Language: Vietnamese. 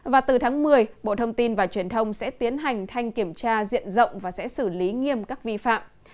và từ tháng một mươi bộ thông tin và truyền thông sẽ tiến hành thanh kiểm tra diện rộng và sẽ xử lý nghiêm các vi phạm